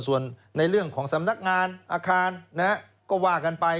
ส่วนในเรื่องของสำนักงานอาคารก็ว่ากันไป